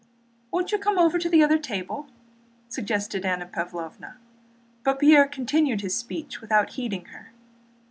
"Won't you come over to the other table?" suggested Anna Pávlovna. But Pierre continued his speech without heeding her.